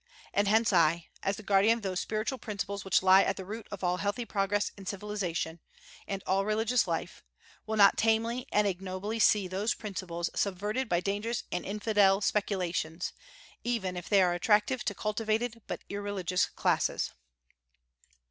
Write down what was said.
And hence I, as the guardian of those spiritual principles which lie at the root of all healthy progress in civilization, and all religious life, will not tamely and ignobly see those principles subverted by dangerous and infidel speculations, even if they are attractive to cultivated but irreligious classes."